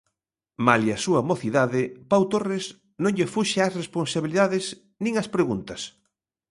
Malia súa mocidade, Pau Torres non lle fuxe ás responsabilidades nin ás preguntas.